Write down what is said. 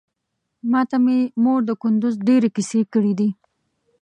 ماته مې مور د کندوز ډېرې کيسې کړې دي.